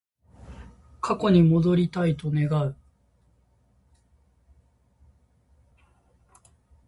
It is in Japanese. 過去に戻りたいと願う